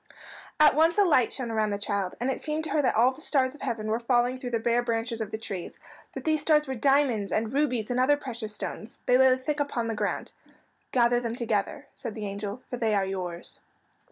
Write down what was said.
At once a light shone around the child, and it seemed to her that all the stars of heaven were falling through the bare branches of the trees, but these stars were diamonds and rubies and other precious stones. They lay thick upon the ground. "Gather them together," said the angel, "for they are yours."